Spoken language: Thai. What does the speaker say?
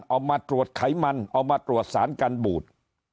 เอามาตรวจไขมันเอามาตรวจสารกันบูด